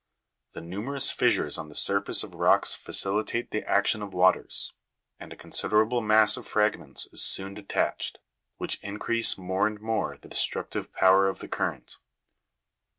The numerous fissures on the surface of rocks facilitate the action of waters, and a considerable mass of fragments is soon detached, which increase more and more the destructive power of the current.